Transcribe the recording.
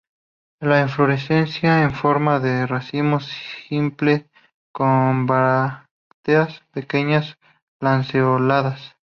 La inflorescencia en forma de racimo simple, con brácteas pequeñas, lanceoladas.